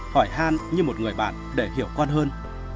hỏi han như một người bạn để hiểu con hơn